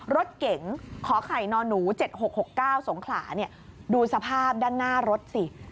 รถเก๋งขอไข่นอนูเจ็ดหกหกเก้าสงขลาเนี่ยดูสภาพด้านหน้ารถสิ